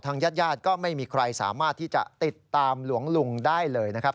ญาติญาติก็ไม่มีใครสามารถที่จะติดตามหลวงลุงได้เลยนะครับ